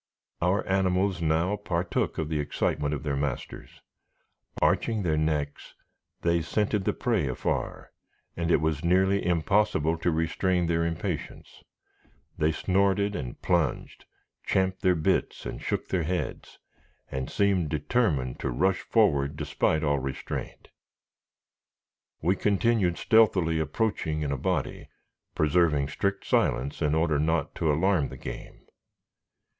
Our animals now partook of the excitement of their masters. Arching their necks, they scented the prey afar, and it was nearly impossible to restrain their impatience. They snorted, and plunged, champed their bits, and shook their heads, and seemed determined to rush forward despite all restraint. [Illustration: "Setting up a wild yell, the Indians scattered and plunged after them."] We continued stealthily approaching in a body, preserving strict silence, in order not to alarm the game.